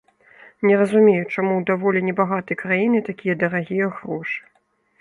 Не разумею, чаму ў даволі небагатай краіны такія дарагія грошы.